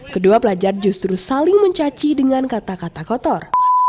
kedua pelajar justru saling mencaci dengan kata kata kotor